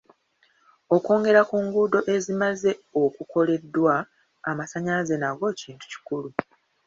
Okwongerza ku nguudo ezimaze okukoleddwa, amasannyalaze nago kintu kikulu.